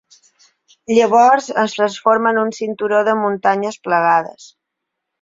Llavors es transforma en un cinturó de muntanyes plegades.